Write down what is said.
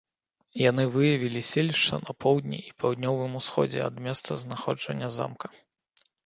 Яны выявілі селішча на поўдні і паўднёвым усходзе ад месцазнаходжання замка.